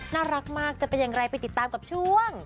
น่ารักมากจะเป็นอย่างไรไปติดตามกับช่วง